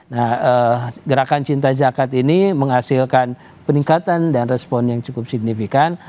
nah gerakan cinta zakat ini menghasilkan peningkatan dan respon yang cukup signifikan